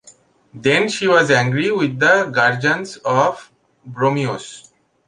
Then she was angry with the guardians of Bromios.